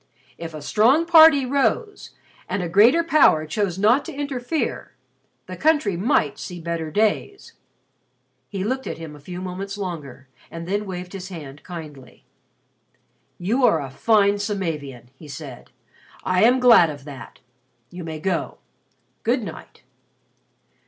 If a strong party rose and a greater power chose not to interfere the country might see better days." He looked at him a few moments longer and then waved his hand kindly. "You are a fine Samavian," he said. "I am glad of that. You may go. Good night."